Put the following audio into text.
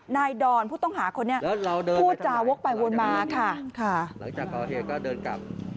นายดอนผู้ต้องหาคนนี้ผู้จะวกไปวงมาค่ะ